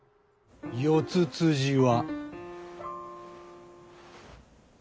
四つ辻は。